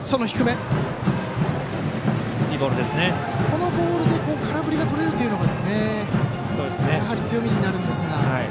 このボールで空振りがとれるというのが強みになるんですが。